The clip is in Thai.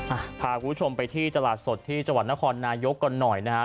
อ่ะพาคุณผู้ชมไปที่ตลาดสดที่จังหวัดนครนายกก่อนหน่อยนะฮะ